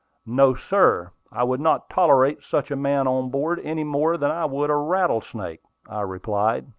"No, sir; I would not tolerate such a man on board any more than I would a rattlesnake," I replied.